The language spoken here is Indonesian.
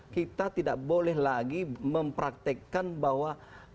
kita tidak boleh lagi mempraktekkan bahwa